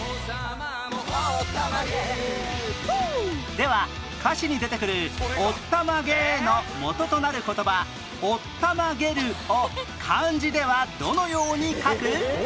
では歌詞に出てくる「オッタマゲ」の元となる言葉「おったまげる」を漢字ではどのように書く？